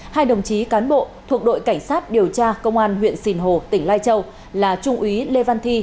hai đồng chí cán bộ thuộc đội cảnh sát điều tra công an huyện sìn hồ tỉnh lai châu là trung úy lê văn thi